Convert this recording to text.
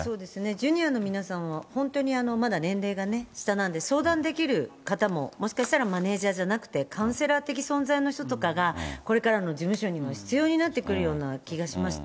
ジュニアの皆さんは、本当にまだ年齢がね、下なんで、相談できる方ももしかしたらマネージャーじゃなくて、カウンセラー的存在の人とかが、これからの事務所には必要になってくるような気がしました。